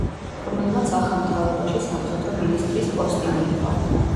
რომელმაც ახალ მთავრობაში სამხედრო მინისტრის პოსტი მიიღო.